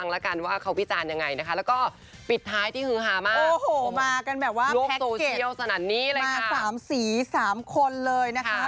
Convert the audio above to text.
นะคะแต่ว่าคือองค์ประกอบยังไม่ลงตัวสักเท่าไหร่ค่ะ